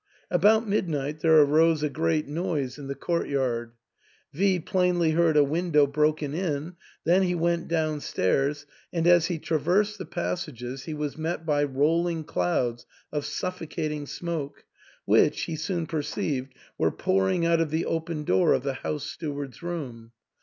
About midnight there arose a great noise in the courtyard. V plainly heard a window broken in ; then he went downstairs, and as he traversed the passages he was met by rolling clouds of suffocating smoke, which, he soon perceived were pouring out of the open door of the house stew ard's room.